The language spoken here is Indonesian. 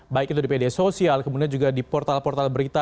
baik itu di media sosial kemudian juga di portal portal berita